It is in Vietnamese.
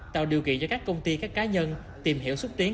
tạo điều kiện cho các công ty các cá nhân tìm hiểu xúc tiến